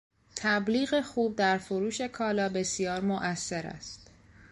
تبلیغ خوب در فروش کالا بسیار موثر است.